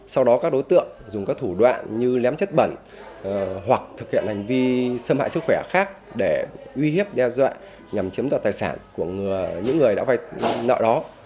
sau đó các đối tượng dùng các thủ đoạn như lém chất bẩn hoặc thực hiện hành vi xâm hại sức khỏe khác để uy hiếp đe dọa nhằm chiếm đoạt tài sản của những người đã vay nợ đó